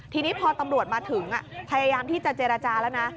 ทีนี้พอตำรวจมาถึงพยายามที่จะเจรจาแล้วนะ